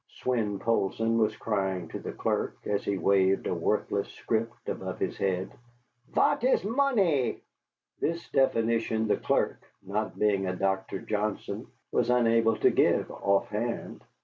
Swein Poulsson was crying to the clerk, as he waved a worthless scrip above his head. "Vat is money?" This definition the clerk, not being a Doctor Johnson, was unable to give offhand.